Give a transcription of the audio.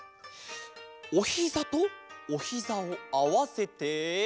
おひざとおひざをあわせて。